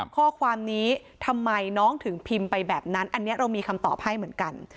ข้อความนี้ทำไมน้องถึงพิมพ์ไปแบบนั้นอันนี้เรามีคำตอบให้เหมือนกัน